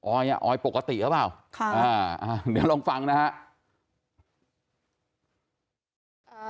ออยออยปกติหรือเปล่าอ่าเดี๋ยวลองฟังนะฮะค่ะค่ะ